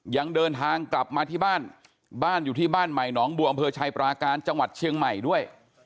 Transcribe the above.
ยังเดินทางกลับมาที่บ้านบ้านอยู่ที่บ้านใหม่หนองบัวอำเภอชัยปราการจังหวัดเชียงใหม่ด้วย